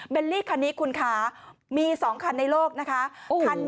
ลี่คันนี้คุณคะมี๒คันในโลกนะคะ